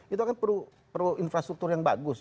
itu kan perlu infrastruktur yang bagus